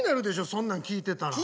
そんなん聞いてたら。